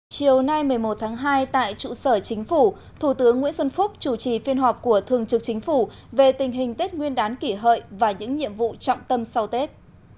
chiều nay một mươi một tháng hai tại trụ sở chính phủ thủ tướng nguyễn xuân phúc chủ trì phiên họp của thường trực chính phủ về tình hình tết nguyên đán kỷ hợi và những nhiệm vụ trọng tâm sau tết